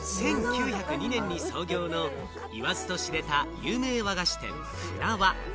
１９０２年に創業の言わずと知れた有名和菓子店・舟和。